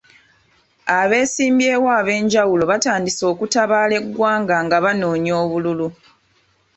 Abeesimbyewo ab'enjawulo batandise okutabaala eggwanga nga banoonya obululu.